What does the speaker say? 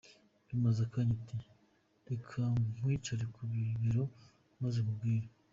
Bimaze akanya, ati “Reka nkwicare ku bibero maze nkubwire”.